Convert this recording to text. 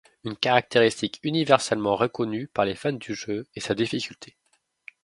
Une caractéristique universellement reconnue par les fans du jeu est sa difficulté.